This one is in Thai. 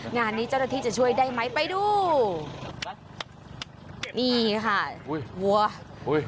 งานนี้เจ้าหน้าที่จะช่วยได้ไหมไปดูนี่ค่ะอุ้ยวัวอุ้ย